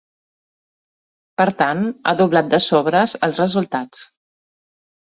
Per tant, ha doblat de sobres els resultats.